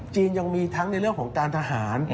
ยังมีทั้งในเรื่องของการทหาร